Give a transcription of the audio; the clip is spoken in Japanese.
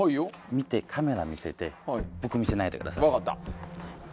見てカメラに見せて僕に見せないでください。